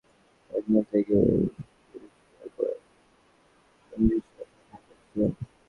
তিনি কদমতলী কেন্দ্রীয় bus terminal থেকে রিকশায় করে কিনব্রিজ হয়ে থানায় যাচ্ছিলেন।